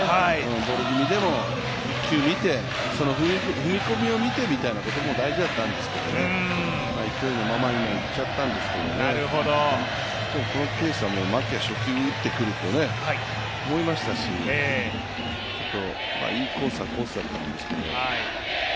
ボール気味でも１球見て、その踏み込みを見てみたいなことも大事だったんですけど、勢いのまま、今いっちゃったんですけど、このケースは牧は初球を打ってくると思いましたし、いいコースはコースだったんですけど。